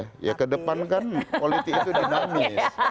karena ke depan politik itu dinamis